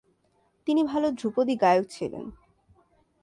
তিনি ভাল ধ্রুপদী গায়ক ছিলেন।